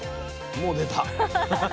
もう出た。